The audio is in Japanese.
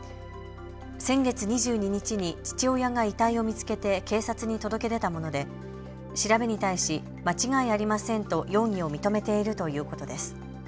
先月２２日に父親が遺体を見つけて警察に届け出たもので調べに対し間違いありませんと容疑を認めているということです。